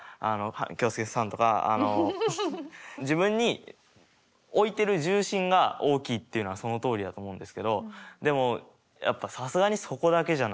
恭佑さんとか自分に置いてる重心が大きいっていうのはそのとおりだと思うんですけどでもやっぱさすがにそこだけじゃないと。